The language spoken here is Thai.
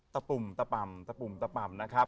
ตะปุ่มตะปำตะปุ่มตะปำ